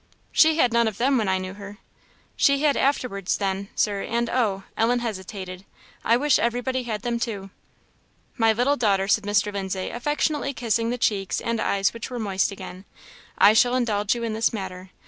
"She had none of them when I knew her." "She had afterwards, then, Sir; and oh!" Ellen hesitated "I wish everybody had them too!" "My little daughter," said Mr. Lindsay affectionately kissing the cheeks and eyes which were moist again, "I shall indulge you in this matter.